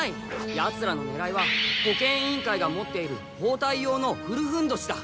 ヤツらのねらいは保健委員会が持っているほうたい用の古ふんどしだ。